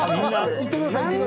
行ってください